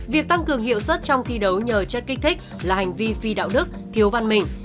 việc tăng cường hiệu suất trong thi đấu nhờ chất kích thích là hành vi phi đạo đức thiếu văn minh